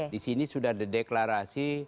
disini sudah dideklarasi